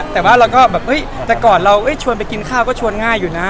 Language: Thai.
แต่ก่อนเราชวนไปกินข้าวก็ชวนง่ายอยู่นะ